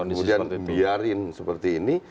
kemudian biarkan seperti ini